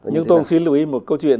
nhưng tôi cũng xin lưu ý một câu chuyện